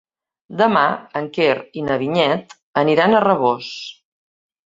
Demà en Quer i na Vinyet aniran a Rabós.